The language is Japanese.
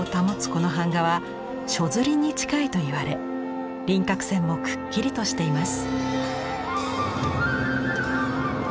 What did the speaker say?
この版画は初摺に近いといわれ輪郭線もくっきりとしています。